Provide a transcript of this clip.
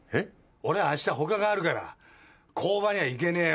俺明日ほかがあるから工場には行けねえよ。